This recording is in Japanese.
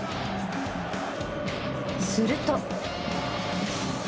すると。